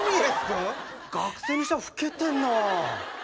学生にしては老けてんな。